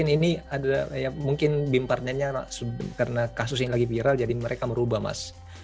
ini ada mungkin beam partnernya karena kasus ini lagi viral jadi mereka merubah mas